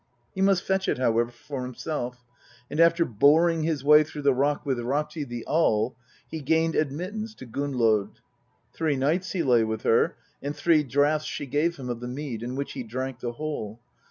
He must fetch it, however, for himself, and after boring his way through the rock with Rati, the awl, he gained admit tance to Gunnlod. Three nights he lay with her, and three draughts she gave him of the mead, in which he drank the whole.